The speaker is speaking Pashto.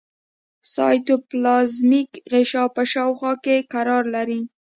د سایتوپلازمیک غشا په شاوخوا کې قرار لري.